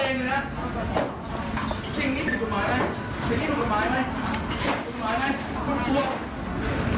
สิ่งนี้เป็นกฎหมายไหมคุณรู้หรือไม่